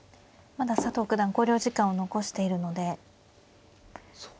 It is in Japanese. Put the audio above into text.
まだ佐藤九段考慮時間を残しているので。